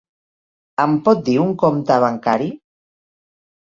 Em pot dir un compte bancari?